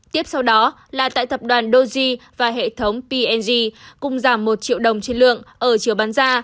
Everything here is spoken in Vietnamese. tiếp sau đó là tại tập đoàn doji và hệ thống png cùng giảm một triệu đồng trên lượng ở chiều bán ra